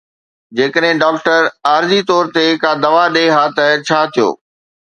جيڪڏهن ڊاڪٽر عارضي طور تي ڪا دوا ڏئي ها ته ڇا ٿيو؟